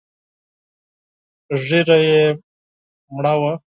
ږيره يې مړه وه.